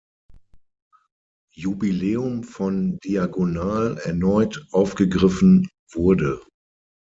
Jubiläum von "Diagonal" erneut aufgegriffen wurde.